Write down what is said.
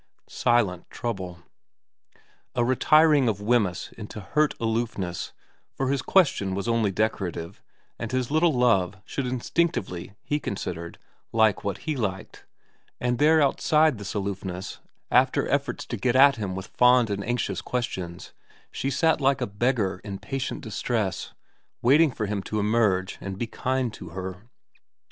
Silent trouble. A retiring of Wemyss into a hurt aloofness, for his question was only decorative, and his little Love should instinctively, he considered, like what he liked ; and there outside this aloofness, after efforts to get xv VERA 163 at him with fond and anxious questions, she sat like a beggar in patient distress, waiting for him to emerge and be kind to her.